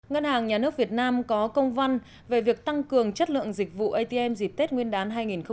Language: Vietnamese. ngân hàng nhà nước việt nam có công văn về việc tăng cường chất lượng dịch vụ atm dịp tết nguyên đán hai nghìn hai mươi